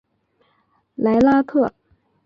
莱拉克。